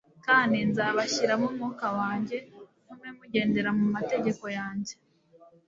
kandi nzabashyiramo umwuka wanjye, ntume mugendera mu mategeko yanjye,